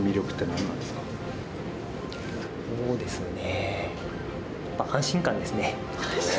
そうですね。